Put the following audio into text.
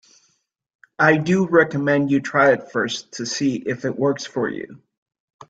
I do recommend you try it first to see if it works for you.